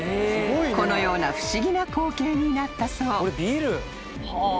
［このような不思議な光景になったそう］